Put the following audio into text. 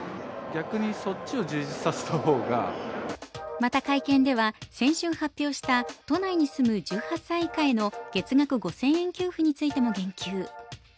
また会見では、先週発表した都内に住む１８歳以下への月額５０００円給付についても言及。